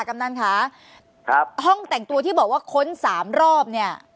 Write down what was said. กำนันค่ะครับห้องแต่งตัวที่บอกว่าค้นสามรอบเนี่ย